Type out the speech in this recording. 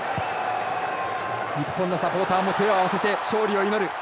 サポーターも手を合わせて勝利を祈る。